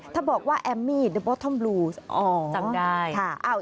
ถ้าบอกว่าแอมมี่ดูบอทเทิมบลูอ๋อจำได้